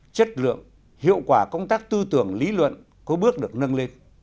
chất lượng hiệu quả công tác tư tưởng lý luận có bước được nâng lên